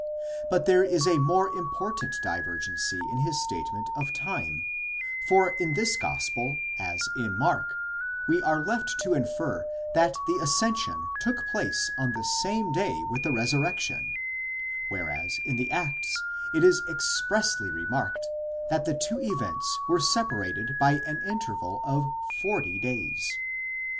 ° But there is a more important divergency in his statement of time; for in his gospel, as in Mark, we are left to infer that the ascension took place on the same day with the resurrection: whereas in the Acts it is expressly remarked, that the two events were separated by an interval of forty days.